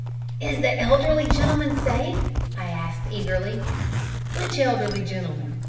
"Is the elderly gentleman safe?" I asked eagerly. "Which elderly gentleman?